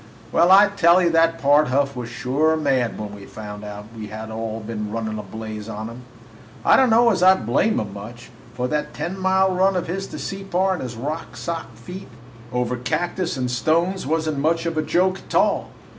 "Well, I tell you, that Pard Huff was sure mad when he found out we all had been running a blaze on him! I don't know as I blame him much, for that ten mile run of his to Separ in his sock feet over cactus and stones was n't much of a joke, a tall.